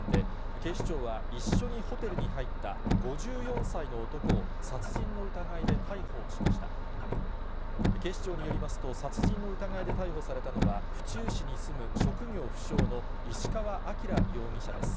警視庁によりますと、殺人の疑いで逮捕されたのは、府中市に住む、職業不詳の石川晃容疑者です。